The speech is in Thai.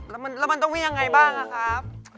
แล้วมันต้องวิ่งยังไงบ้างอะครับ